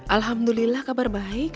alhamdulillah kabar baik